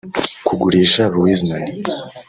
Kugurisha Louis Nani